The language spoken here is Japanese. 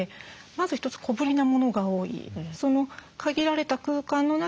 まず一つ小ぶりなものが多い。